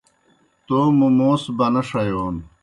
توموْ موس بنہ ݜیون